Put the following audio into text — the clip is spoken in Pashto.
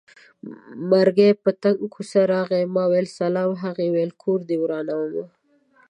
مرګی په تنګه کوڅه راغی ما وېل سلام هغه وېل کور دې ورانومه